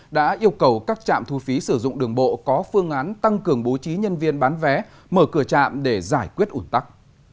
đã yêu cầu các trạm thu phí sử dụng đường bộ có phương án tăng cường bố trí nhân viên bán vé mở cửa trạm để giải quyết ủn tắc